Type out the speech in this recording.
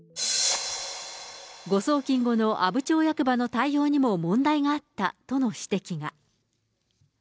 誤送金後の阿武町役場の対応にも問題があったとの指摘が。